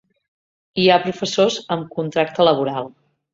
Hi ha professors amb contracte laboral.